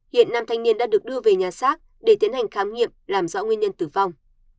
hiện nam thanh niên đã được đưa về nhà xác để tiến hành khám nghiệm làm rõ nguyên nhân tử vong